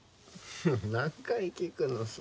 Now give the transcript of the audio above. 何回聞くのそれ